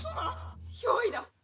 憑依だ！